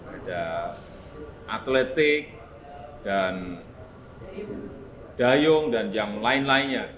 ada atletik dan dayung dan yang lain lainnya